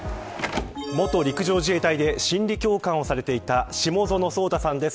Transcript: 元陸上自衛隊で心理教官をされていた下園壮太さんです。